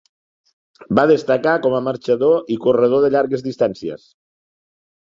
Va destacar com a marxador i corredor de llargues distàncies.